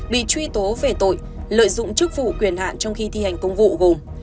bị truy tố về tội lợi dụng chức vụ quyền hạn trong khi thi hành công vụ gồm